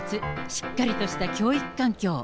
しっかりとした教育環境。